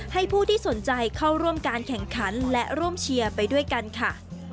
ให้ผู้ที่สนใจเข้าร่วมการแข่งขันและร่วมเชียร์ไปด้วยกันค่ะ